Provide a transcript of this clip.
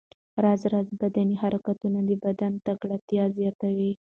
راز راز بدني حرکتونه د بدن تکړتیا زیاتوي.